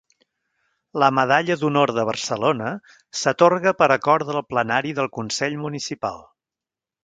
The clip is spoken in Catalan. La Medalla d'Honor de Barcelona s'atorga per acord del Plenari del Consell Municipal.